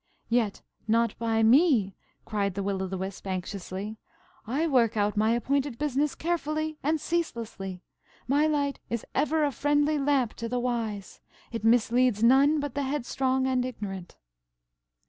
"Yet not by me," cried the Will o' the Wisp, anxiously. "I work out my appointed business carefully and ceaselessly. My light is ever a friendly lamp to the wise. It misleads none but the headstrong and ignorant."